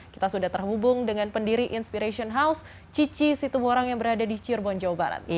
kita sudah terhubung dengan pendiri inspiration house cici situborang yang berada di cirebon jawa barat